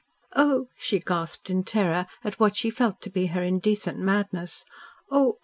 "Oh!" she gasped in terror at what she felt to be her indecent madness. "Oh!